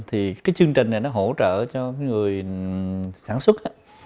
thì cái chương trình này nó hỗ trợ cho người sản xuất á